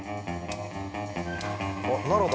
あっ奈良だ。